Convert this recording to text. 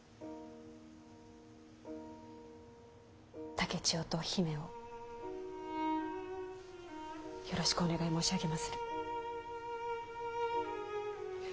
竹千代と姫をよろしくお願い申し上げまする。